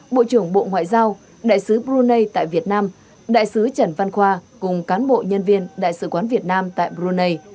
bộ trưởng bộ ngoại giao đại sứ brunei tại việt nam đại sứ trần văn khoa cùng cán bộ nhân viên đại sứ quán việt nam tại brunei